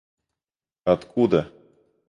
откуда